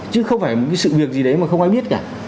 chứ không phải một cái sự việc gì đấy mà không ai biết cả